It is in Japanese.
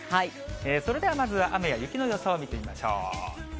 それではまずは雨や雪の予想を見てみましょう。